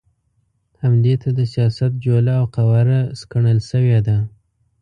همدې ته د سیاست جوله او قواره سکڼل شوې ده.